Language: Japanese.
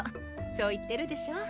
そう言ってるでしょ。